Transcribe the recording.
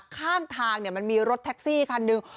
ข้างทางมันมีรถแท็กซี่คันหนึ่ง